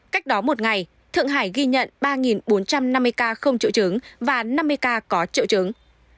cách đó một ngày thượng hải ghi nhận ba bốn trăm năm mươi ca không triệu chứng và năm mươi ca có triệu chứng